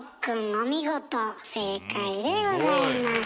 お見事正解でございます。